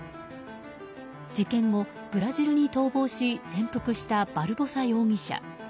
事件後、ブラジルに逃亡し潜伏したバルボサ容疑者。